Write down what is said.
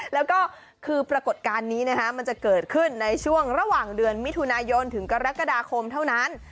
แล้วก็คือปรากฏการณ์นี้มันจะเกิดขึ้นในช่วงระหว่างเดือนมิถุนายนถึงกรกฎาคมเท่านั้น